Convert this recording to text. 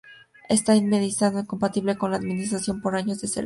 Esta indemnización es compatible con la indemnización por años de servicio.